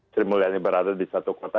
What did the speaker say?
sri mulyani berada di satu kota